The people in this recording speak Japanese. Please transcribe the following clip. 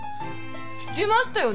聞きましたよね？